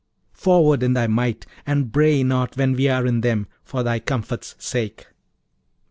Forward in thy might, and bray not when we are in them, for thy comfort's sake!'